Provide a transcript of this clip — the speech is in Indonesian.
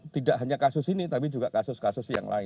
tidak hanya kasus ini tapi juga kasus kasus yang lain